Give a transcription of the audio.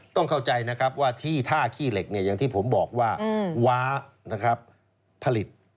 ต้องเข้าใจว่าที่ท่าขี้เหล็กอย่างที่ผมบอกว่าว้าผลิต